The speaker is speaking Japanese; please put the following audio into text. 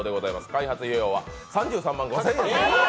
開発費用は３３万５０００円です。